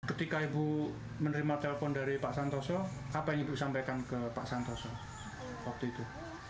ketika ibu menerima telpon dari pak santoso apa yang ibu sampaikan ke pak santoso waktu itu